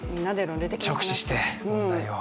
直視して、問題を。